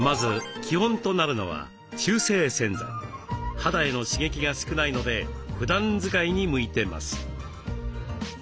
肌への刺激が少ないのでふだん使いに向いてます。